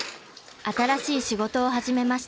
［新しい仕事を始めました。